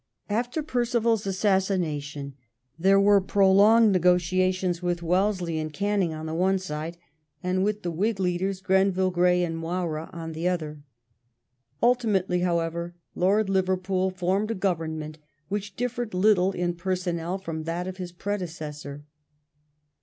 After Perceval's assassination there were prolonged negotiations with Wellesley and Canning on the one side, and with the Whig leaders, Grenville, Grey, and Moira, on the other. Ultimately, however, Lord Liverpool formed a Government which differed little in personnel from that of his predecessor.